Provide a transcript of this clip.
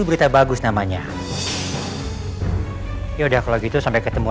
dari negara negara muita orang jadi kuil juga